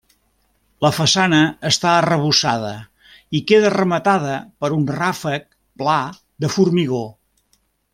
La façana està arrebossada i queda rematada per un ràfec pla de formigó.